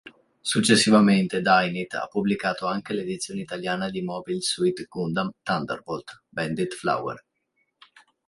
Successivamente Dynit ha pubblicato anche l'edizione italiana di "Mobile Suit Gundam Thunderbolt: Bandit Flower".